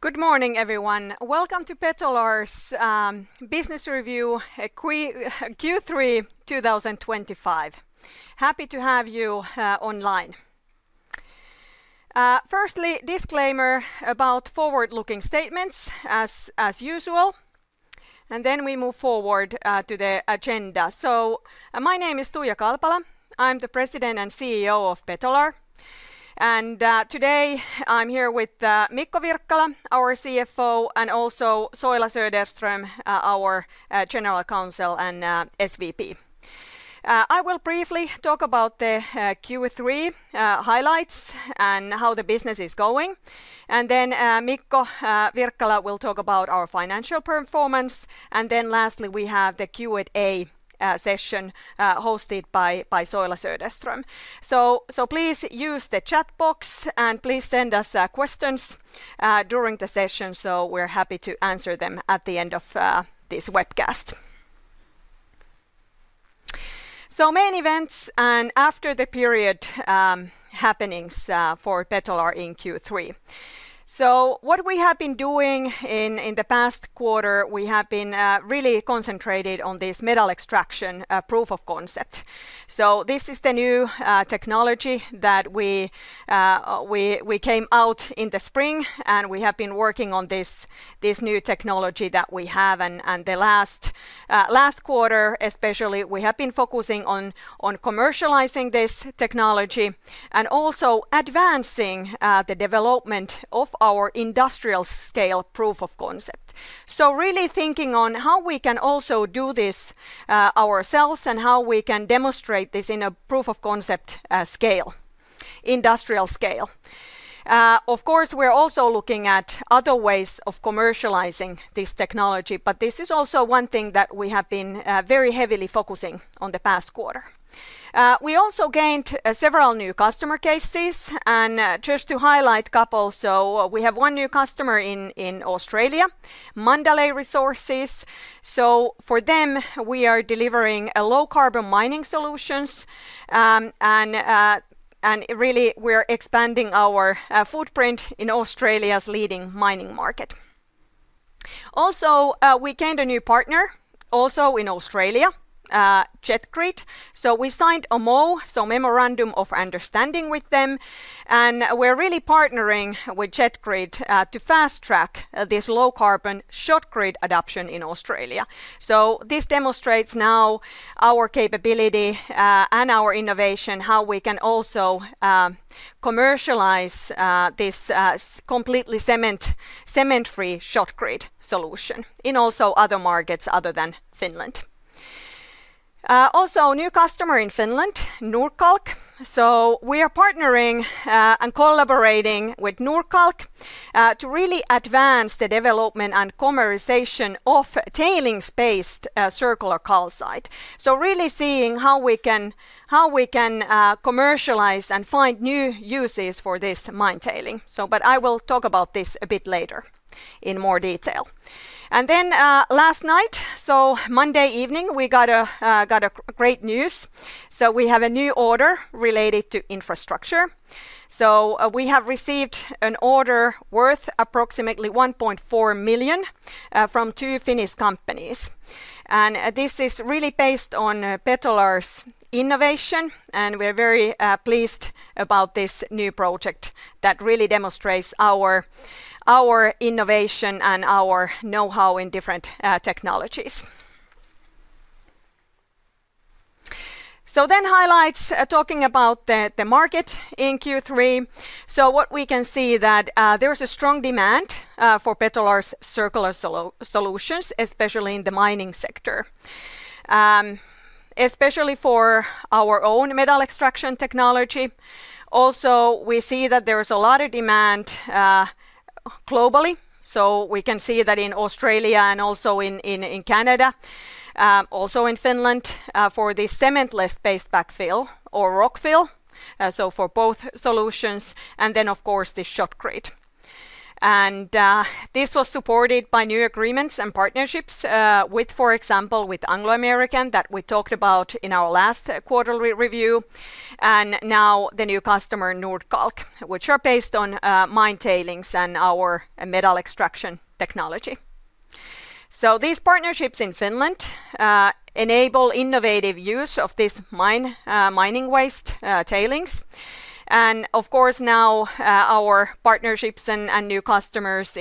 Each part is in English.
Good morning, everyone. Welcome to Betolar's Business Review Q3 2025. Happy to have you online. Firstly, a disclaimer about forward-looking statements, as usual. We move forward to the agenda. My name is Tuija Kalpala. I'm the President and CEO of Betolar. Today I'm here with Mikko Wirkkala, our CFO, and also Soila Söderström, our General Counsel and SVP. I will briefly talk about the Q3 highlights and how the business is going. Mikko Wirkkala will talk about our financial performance. Lastly, we have the Q&A session hosted by Soila Söderström. Please use the chat box and send us questions during the session. We're happy to answer them at the end of this webcast. Main events and after the period happenings for Betolar in Q3. What we have been doing in the past quarter, we have been really concentrated on this metal extraction proof of concept. This is the new technology that we came out in the spring, and we have been working on this new technology that we have. In the last quarter, especially, we have been focusing on commercializing this technology and also advancing the development of our industrial-scale proof of concept. We are really thinking on how we can also do this ourselves and how we can demonstrate this in a proof of concept scale, industrial scale. Of course, we're also looking at other ways of commercializing this technology, but this is also one thing that we have been very heavily focusing on the past quarter. We also gained several new customer cases, and just to highlight a couple. We have one new customer in Australia, Mandalay Resources. For them, we are delivering low-carbon mining solutions, and we're expanding our footprint in Australia's leading mining market. We gained a new partner also in Australia, Jetcrete. We signed a MOU, a memorandum of understanding with them, and we're really partnering with Jetcrete to fast track this low-carbon shotcrete adoption in Australia. This demonstrates our capability and our innovation, how we can also commercialize this completely cement-free shotcrete solution in other markets other than Finland. Also, a new customer in Finland, Nordkalk. We are partnering and collaborating with Nordkalk to really advance the development and commercialization of tailings-based circular calcite. We are really seeing how we can commercialize and find new uses for this mine tailing. I will talk about this a bit later in more detail. Last night, Monday evening, we got great news. We have a new order related to infrastructure. We have received an order worth approximately 1.4 million from two Finnish companies. This is really based on Betolar's innovation, and we're very pleased about this new project that really demonstrates our innovation and our know-how in different technologies. Highlights talking about the market in Q3: what we can see is that there is a strong demand for Betolar's circular solutions, especially in the mining sector, especially for our own metal extraction technology. We see that there is a lot of demand globally. We can see that in Australia and also in Canada, also in Finland for this cementless-based backfill or rockfill, for both solutions, and then of course the shotcrete. This was supported by new agreements and partnerships, for example, with Anglo American that we talked about in our last quarterly review. Now the new customer Nordkalk, which are based on mine tailings and our metal extraction technology. These partnerships in Finland enable innovative use of this mining waste tailings. Our partnerships and new customers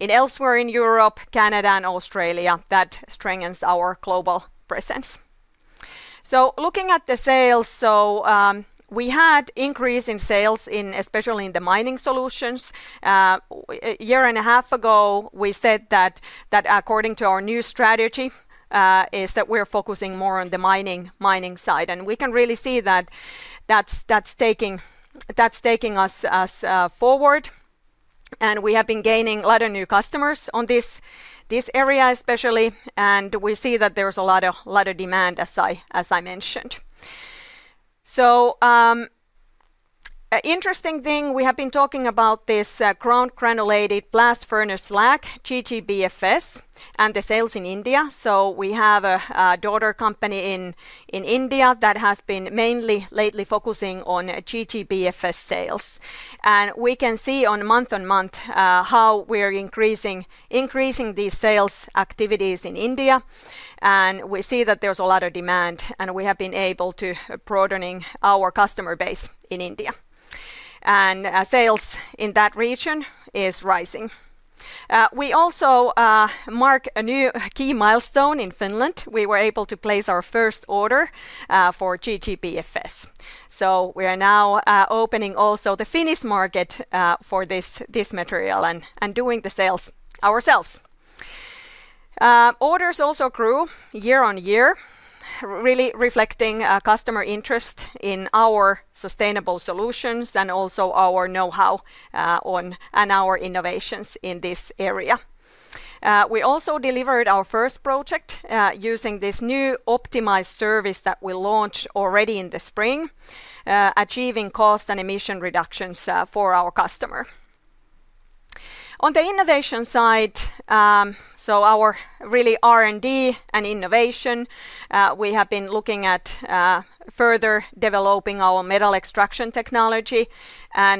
elsewhere in Europe, Canada, and Australia strengthen our global presence. Looking at the sales, we had an increase in sales, especially in the mining solutions. A year and a half ago, we said that according to our new strategy, we're focusing more on the mining side. We can really see that that's taking us forward. We have been gaining a lot of new customers in this area, especially. We see that there's a lot of demand, as I mentioned. An interesting thing, we have been talking about this ground granulated blast furnace slag, GGBFS, and the sales in India. We have a daughter company in India that has been mainly lately focusing on GGBFS sales. We can see month on month how we're increasing these sales activities in India. We see that there's a lot of demand, and we have been able to broaden our customer base in India. Sales in that region are rising. We also marked a new key milestone in Finland. We were able to place our first order for GGBFS. We are now opening also the Finnish market for this material and doing the sales ourselves. Orders also grew year on year, really reflecting customer interest in our sustainable solutions and also our know-how and our innovations in this area. We also delivered our first project using this new optimized service that we launched already in the spring, achieving cost and emission reductions for our customer. On the innovation side, our R&D and innovation, we have been looking at further developing our metal extraction technology.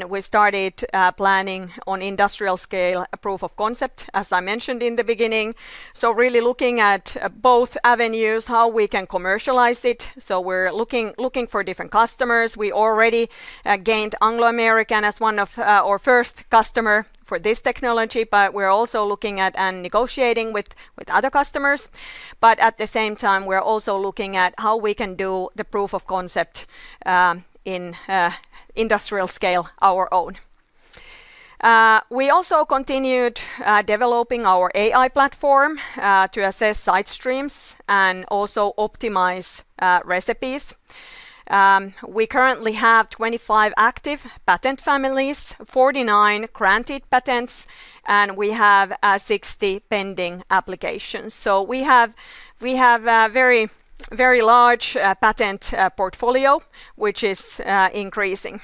We started planning on industrial-scale proof of concept, as I mentioned in the beginning, really looking at both avenues, how we can commercialize it. We're looking for different customers. We already gained Anglo American as one of our first customers for this technology, and we're also looking at and negotiating with other customers. At the same time, we're also looking at how we can do the proof of concept in industrial scale on our own. We also continued developing our AI platform to assess side streams and also optimize recipes. We currently have 25 active patent families, 49 granted patents, and we have 60 pending applications. We have a very large patent portfolio, which is increasing.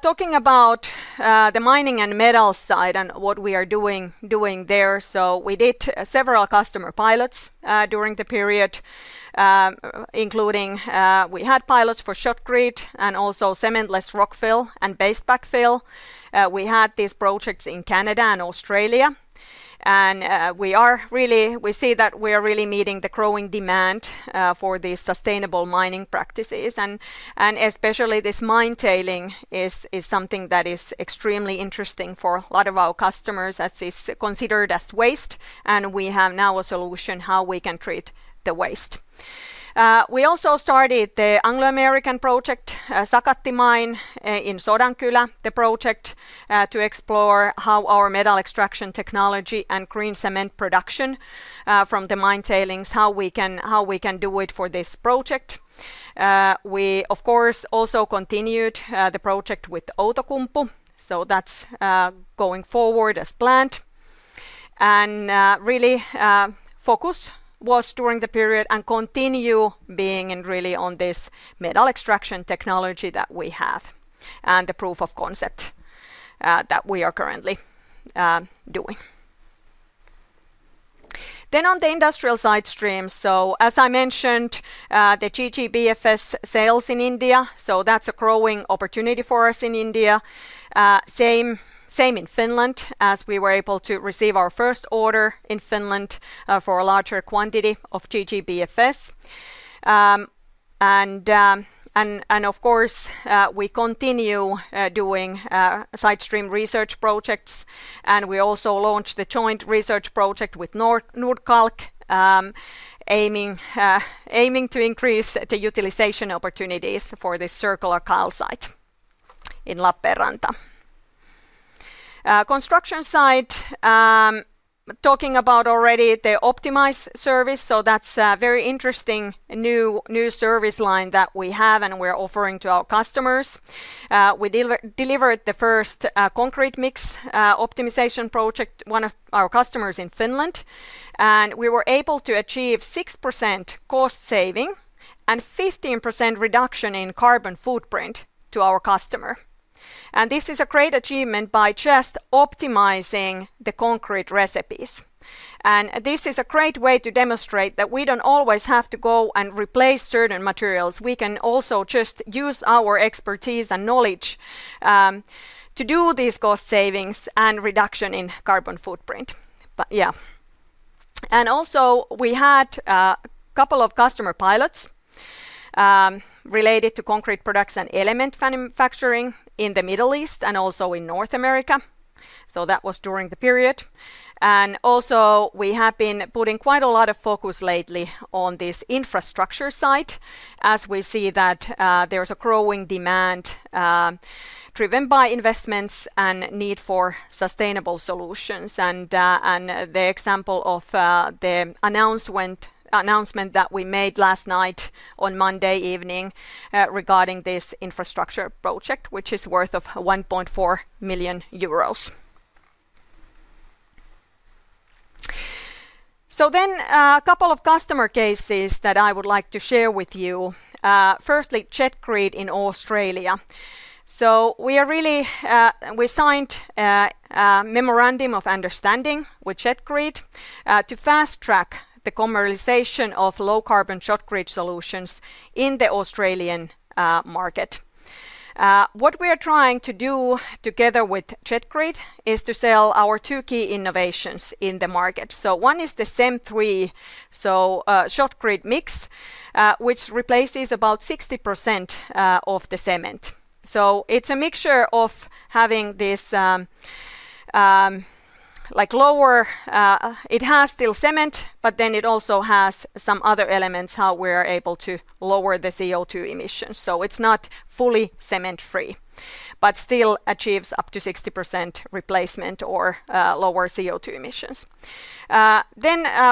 Talking about the mining and metals side and what we are doing there, we did several customer pilots during the period, including pilots for shotcrete and also cementless rockfill and base backfill. We had these projects in Canada and Australia. We see that we are really meeting the growing demand for these sustainable mining practices. Especially this mine tailing is something that is extremely interesting for a lot of our customers as it's considered as waste. We have now a solution how we can treat the waste. We also started the Anglo American project, Sakatti Mine in Sodankylä, the project to explore how our metal extraction technology and green cement production from the mine tailings, how we can do it for this project. We, of course, also continued the project with Outokumpu. That's going forward as planned. The focus was during the period and continues being really on this metal extraction technology that we have and the proof of concept that we are currently doing. On the industrial side streams, as I mentioned, the ground granulated blast furnace slag sales in India, that's a growing opportunity for us in India. Same in Finland, as we were able to receive our first order in Finland for a larger quantity of ground granulated blast furnace slag. Of course, we continue doing side stream research projects. We also launched the joint research project with Nordkalk, aiming to increase the utilization opportunities for this circular calcite in Lappeenranta. On the construction side, talking about already the optimized service, that's a very interesting new service line that we have and we're offering to our customers. We delivered the first concrete mix optimization project to one of our customers in Finland, and we were able to achieve 6% cost saving and 15% reduction in carbon footprint to our customer. This is a great achievement by just optimizing the concrete recipes. This is a great way to demonstrate that we don't always have to go and replace certain materials. We can also just use our expertise and knowledge to do these cost savings and reduction in carbon footprint. We had a couple of customer pilots related to concrete production and element manufacturing in the Middle East and also in North America during the period. We have been putting quite a lot of focus lately on this infrastructure side, as we see that there's a growing demand driven by investments and need for sustainable solutions. For example, the announcement that we made last night on Monday evening regarding this infrastructure project, which is worth 1.4 million euros. A couple of customer cases that I would like to share with you. Firstly, Jetcrete in Australia. We signed a memorandum of understanding with Jetcrete to fast track the commercialization of low-carbon shotcrete solutions in the Australian market. What we are trying to do together with Jetcrete is to sell our two key innovations in the market. One is the CEM 3 shotcrete mix, which replaces about 60% of the cement. It's a mixture of having this lower, it has still cement, but then it also has some other elements how we are able to lower the CO2 emissions. It's not fully cement-free, but still achieves up to 60% replacement or lower CO2 emissions.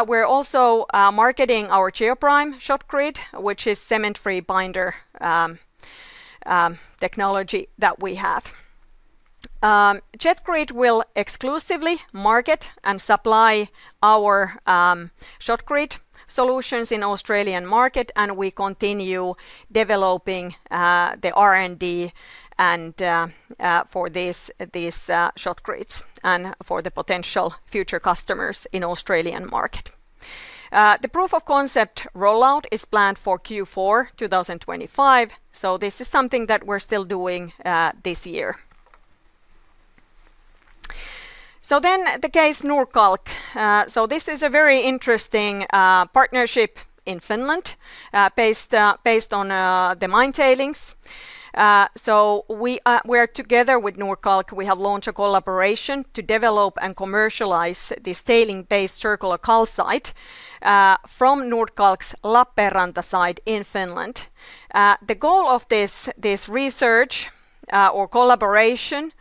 We're also marketing our Geoprime shotcrete, which is cement-free binder technology that we have. Jetcrete will exclusively market and supply our shotcrete solutions in the Australian market, and we continue developing the R&D for these shotcretes and for the potential future customers in the Australian market. The proof of concept rollout is planned for Q4 2025. This is something that we're still doing this year. The case Nordkalk is a very interesting partnership in Finland based on the mine tailings. We are together with Nordkalk. We have launched a collaboration to develop and commercialize this tailings-based circular calcite from Nordkalk's Lappeenranta site in Finland. The goal of this research or collaboration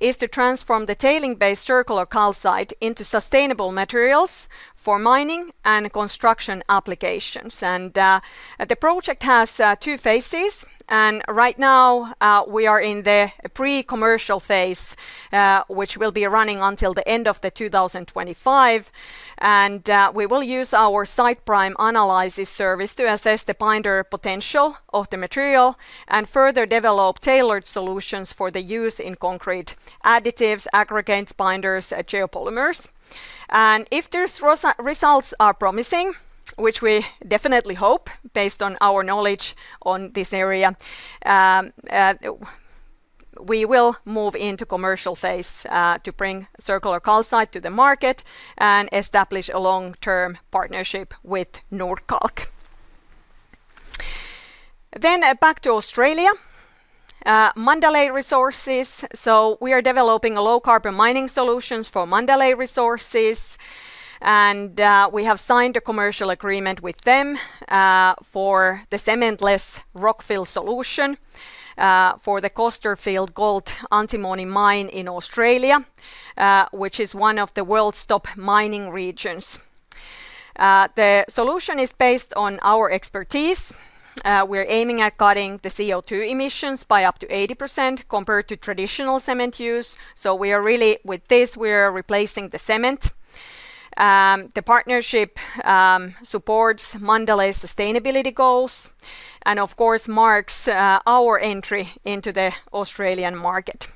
is to transform the tailings-based circular calcite into sustainable materials for mining and construction applications. The project has two phases. Right now, we are in the pre-commercial phase, which will be running until the end of 2025. We will use our SidePrime analysis service to assess the binder potential of the material and further develop tailored solutions for use in concrete additives, aggregates, binders, geopolymers. If these results are promising, which we definitely hope based on our knowledge in this area, we will move into the commercial phase to bring circular calcite to the market and establish a long-term partnership with Nordkalk. Back to Australia, Mandalay Resources. We are developing low-carbon mining solutions for Mandalay Resources. We have signed a commercial agreement with them for the cementless rockfill solution for the Costerfield gold-antimony mine in Australia, which is one of the world's top mining regions. The solution is based on our expertise. We're aiming at cutting the CO2 emissions by up to 80% compared to traditional cement use. With this, we are replacing the cement. The partnership supports Mandalay's sustainability goals and, of course, marks our entry into the Australian market.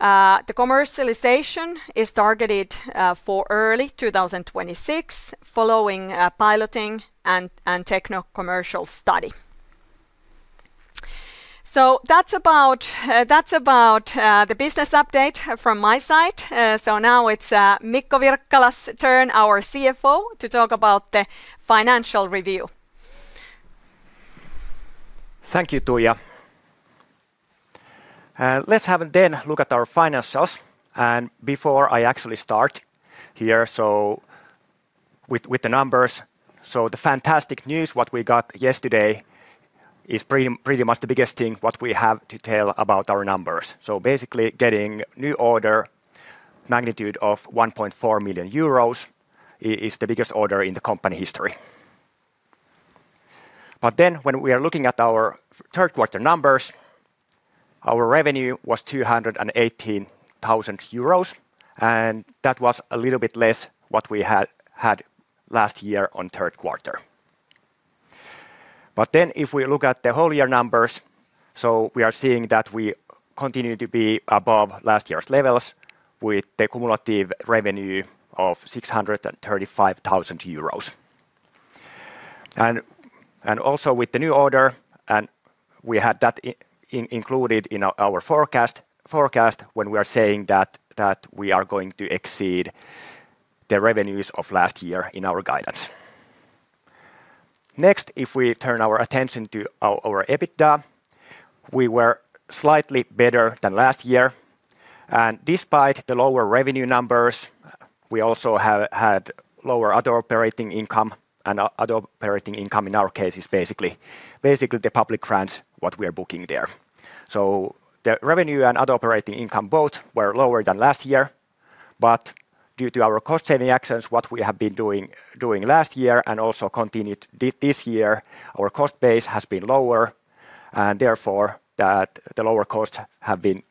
The commercialization is targeted for early 2026 following piloting and techno-commercial study. That's about the business update from my side. Now it's Mikko Wirkkala's turn, our CFO, to talk about the financial review. Thank you, Tuija. Let's have a look at our financials. Before I actually start here with the numbers, the fantastic news we got yesterday is pretty much the biggest thing we have to tell about our numbers. Basically, getting a new order magnitude of 1.4 million euros is the biggest order in the company history. When we are looking at our third quarter numbers, our revenue was 218,000 euros. That was a little bit less than what we had last year in the third quarter. If we look at the whole year numbers, we are seeing that we continue to be above last year's levels with the cumulative revenue of 635,000 euros. Also, with the new order, we had that included in our forecast when we are saying that we are going to exceed the revenues of last year in our guidance. Next, if we turn our attention to our EBITDA, we were slightly better than last year. Despite the lower revenue numbers, we also had lower other operating income, and other operating income in our case is basically the public grants we are booking there. The revenue and other operating income both were lower than last year. Due to our cost-saving actions we have been doing last year and also continued this year, our cost base has been lower. Therefore, the lower costs have been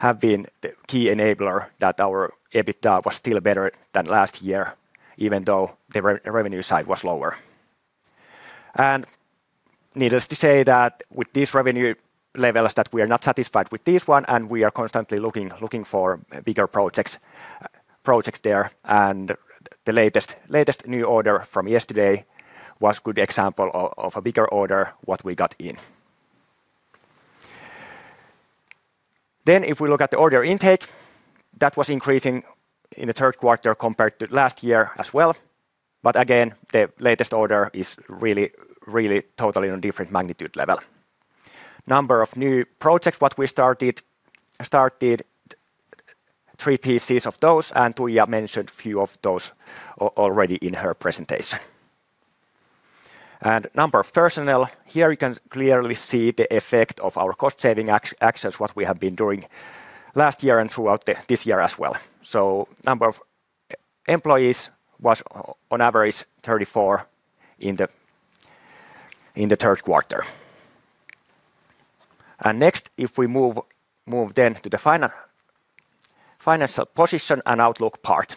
the key enabler that our EBITDA was still better than last year, even though the revenue side was lower. Needless to say, with these revenue levels we are not satisfied with this one, and we are constantly looking for bigger projects there. The latest new order from yesterday was a good example of a bigger order we got in. If we look at the order intake, that was increasing in the third quarter compared to last year as well. The latest order is really, really totally on a different magnitude level. Number of new projects we started, started three pieces of those, and Tuija mentioned a few of those already in her presentation. Number of personnel, here you can clearly see the effect of our cost-saving actions we have been doing last year and throughout this year as well. Number of employees was on average 34 in the third quarter. Next, if we move to the financial position and outlook part,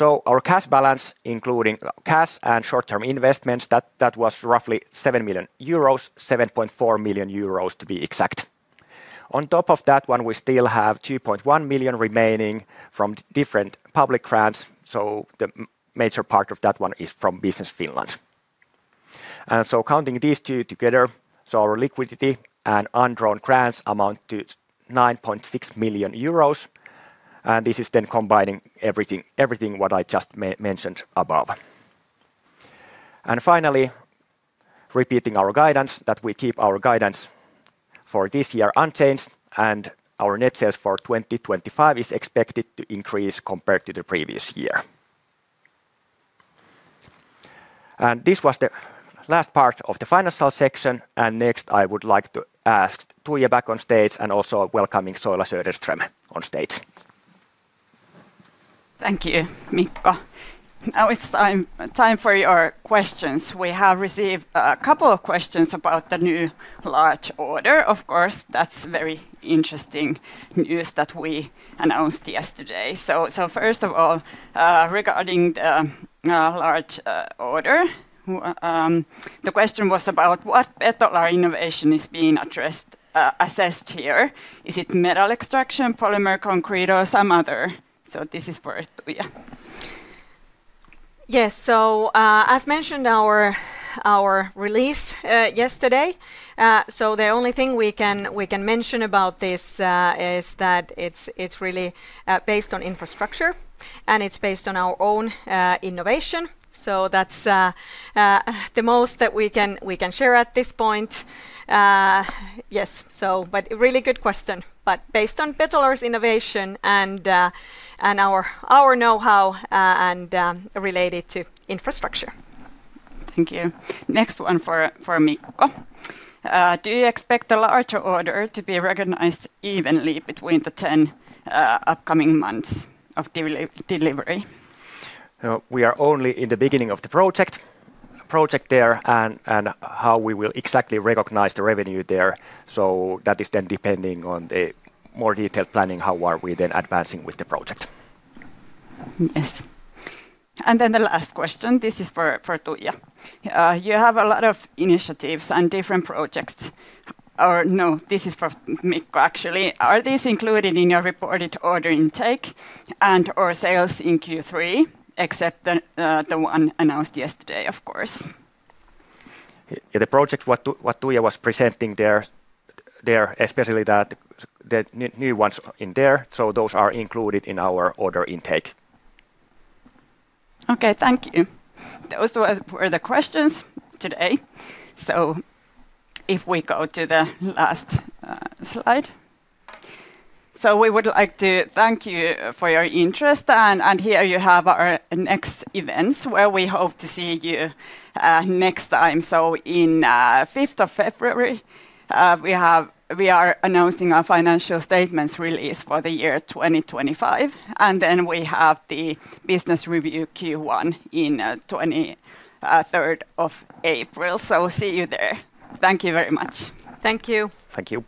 our cash balance, including cash and short-term investments, was roughly 7 million euros, 7.4 million euros to be exact. On top of that one, we still have 2.1 million remaining from different public grants. The major part of that one is from Business Finland. Counting these two together, our liquidity and undrawn grants amount to 9.6 million euros. This is then combining everything I just mentioned above. Finally, repeating our guidance that we keep our guidance for this year unchanged, and our net sales for 2025 is expected to increase compared to the previous year. This was the last part of the financial section. Next, I would like to ask Tuija back on stage and also welcome Soila Söderström on stage. Thank you, Mikko. Now it's time for your questions. We have received a couple of questions about the new large order. Of course, that's very interesting news that we announced yesterday. First of all, regarding the large order, the question was about what Betolar innovation is being assessed here. Is it metal extraction, polymer concrete, or some other? This is for Tuija. Yes, as mentioned in our release yesterday, the only thing we can mention about this is that it's really based on infrastructure, and it's based on our own innovation. That's the most that we can share at this point. Yes, really good question. Based on Betolar's innovation and our know-how and related to infrastructure. Thank you. Next one for Mikko. Do you expect a larger order to be recognized evenly between the 10 upcoming months of delivery? We are only in the beginning of the project there, and how we will exactly recognize the revenue there is then depending on the more detailed planning, how are we then advancing with the project. Yes. The last question is for Tuija. You have a lot of initiatives and different projects. No, this is for Mikko, actually. Are these included in your reported order intake and/or sales in Q3, except the one announced yesterday, of course? The projects that Tuija was presenting there, especially the new ones in there, are included in our order intake. Okay, thank you. Those were the questions today. If we go to the last slide, we would like to thank you for your interest. Here you have our next events where we hope to see you next time. On the 5th of February, we are announcing our financial statements release for the year 2025, and then we have the business review Q1 on the 23rd of April. See you there. Thank you very much. Thank you. Thank you.